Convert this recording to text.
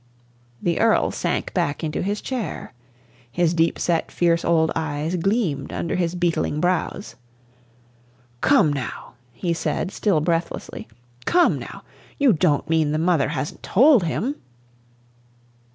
The Earl sank back into his chair. His deep set fierce old eyes gleamed under his beetling brows. "Come, now!" he said, still breathlessly. "Come, now! You don't mean the mother hasn't told him?"